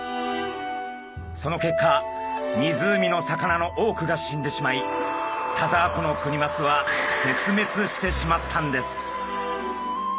その結果湖の魚の多くが死んでしまい田沢湖のクニマスは絶滅してしまったんです。